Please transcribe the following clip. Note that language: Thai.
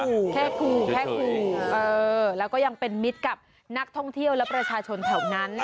แค่ครูแค่ครูเออแล้วก็ยังเป็นมิตรกับนักท่องเที่ยวและประชาชนแถวนั้น